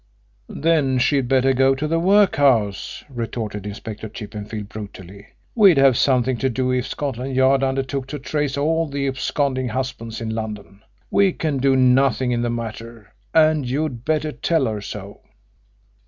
"Then she'd better go to the workhouse," retorted Inspector Chippenfield brutally. "We'd have something to do if Scotland Yard undertook to trace all the absconding husbands in London. We can do nothing in the matter, and you'd better tell her so."